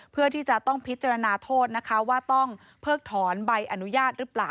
เพื่อที่จะต้องพิจารณาโทษนะคะว่าต้องเพิกถอนใบอนุญาตหรือเปล่า